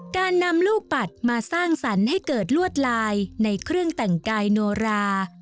การนำลูกปัดมาสร้างสรรค์ให้เกิดลวดลายในเครื่องแต่งกายโนรา